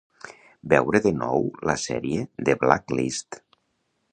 Veure de nou la sèrie "The Blacklist".